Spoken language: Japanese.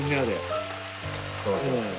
そうそうそう。